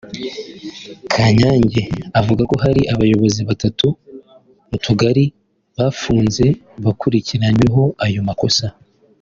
Kanyange avuga ko hari abayobozi batatu mu tugari bafunzwe bakurikiranyweho ayo makossa